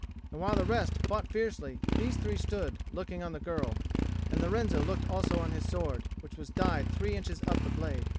And while the rest fought fiercely, these three stood looking on the girl; and Lorenzo looked also on his sword, which was dyed three inches up the blade.